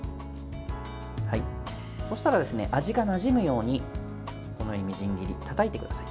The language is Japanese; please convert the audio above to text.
そしたら味がなじむようにみじん切り、たたいてください。